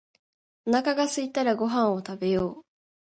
おなかがすいたらご飯を食べよう